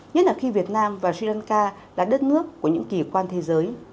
nhất là khi việt nam và sri lanka là đất nước của những kỳ quan thế giới